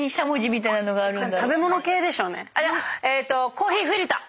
コーヒーフィルター。